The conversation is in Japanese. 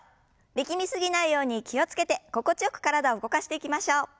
力み過ぎないように気を付けて心地よく体を動かしていきましょう。